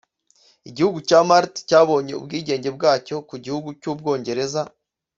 Igihugu cya Malta cyabonye ubwigenge bwacyo ku gihugu cy’ubwongereza